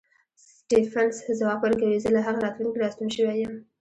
سټېفنس ځواب ورکوي زه له هغې راتلونکې راستون شوی یم